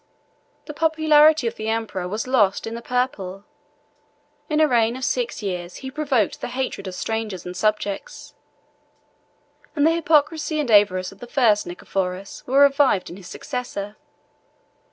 The popularity of the emperor was lost in the purple: in a reign of six years he provoked the hatred of strangers and subjects: and the hypocrisy and avarice of the first Nicephorus were revived in his successor.